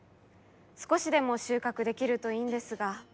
少しでも収穫できるといいんですが。